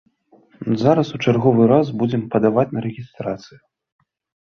Зараз у чарговы раз будзем падаваць на рэгістрацыю.